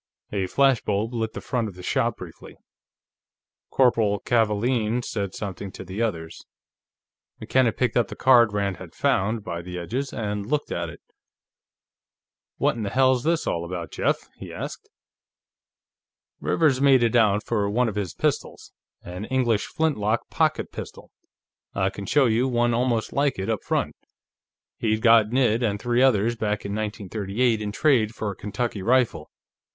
A flash bulb lit the front of the shop briefly. Corporal Kavaalen said something to the others. McKenna picked up the card Rand had found by the edges and looked at it. "What in hell's this all about, Jeff?" he asked. "Rivers made it out for one of his pistols. An English flintlock pocket pistol; I can show you one almost like it, up front. He'd gotten it and three others, back in 1938, in trade for a Kentucky rifle.